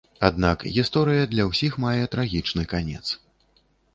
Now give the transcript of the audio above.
Аднак, гісторыя для ўсіх мае трагічны канец.